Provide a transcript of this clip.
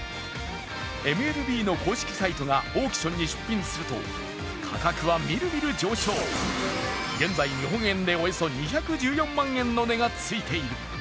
ＭＬＢの公式サイトがオークションに出品すると価格はみるみる上昇現在、日本円でおよそ２１４万円の値がついている。